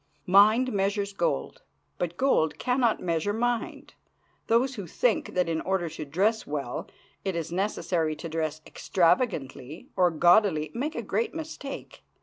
Mind measures gold, but gold can not measure mind. Those who think that in order to dress well it is necessary to dress extravagantly or gaudily make a great mistake.